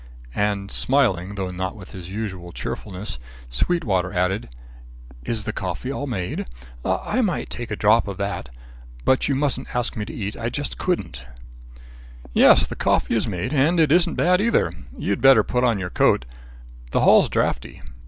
And smiling, though not with his usual cheerfulness, Sweetwater added, "Is the coffee all made? I might take a drop of that. But you mustn't ask me to eat I just couldn't." "Yes, the coffee is made and it isn't bad either. You'd better put on your coat; the hall's draughty."